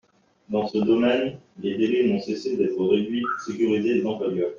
Dans ce domaine, les délais n’ont cessé d’être réduits pour sécuriser les employeurs.